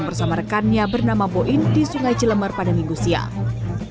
bersama rekannya bernama boin di sungai cilemer pada minggu siang